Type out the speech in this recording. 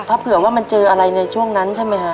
ถ้าเผื่อว่ามันเจออะไรในช่วงนั้นใช่ไหมฮะ